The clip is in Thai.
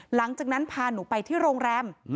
หลังจากนั้นพาหนูไปที่โรงแรม